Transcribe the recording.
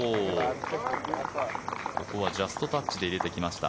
ここはジャストタッチで入れてきました。